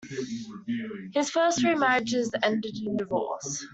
His first three marriages ended in divorce.